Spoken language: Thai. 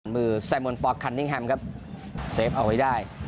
มือไซมนปอร์ตคันนิ่งแฮมครับเซฟเอาไว้ได้